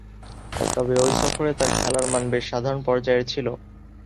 তবে, ঐ সফরে তার খেলার মান বেশ সাধারণ পর্যায়ের ছিল।